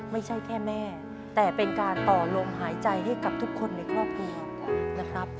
ไม่ใช่แค่แม่แต่เป็นการต่อลมหายใจให้กับทุกคนในครอบครัวนะครับ